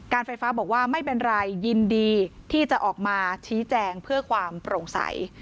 ไฟฟ้าบอกว่าไม่เป็นไรยินดีที่จะออกมาชี้แจงเพื่อความโปร่งใส